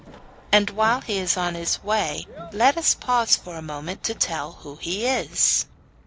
And while he is on his way let us pause for a moment and tell who he is.